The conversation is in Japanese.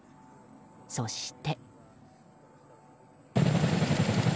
そして。